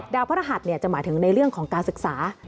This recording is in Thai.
พระรหัสจะหมายถึงในเรื่องของการศึกษา